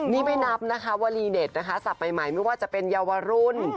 นี่ไม่นับนะคะวลีเด็ดนะคะศัพท์ใหม่ไม่ว่าจะเป็นเยาวรุ่น